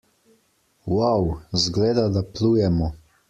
Wau! Zgleda, da plujemo!